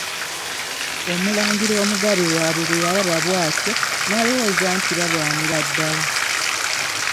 Omulangira omugabe waabwe bwe yalaba atyo, n'alowooza nti balwanira ddala.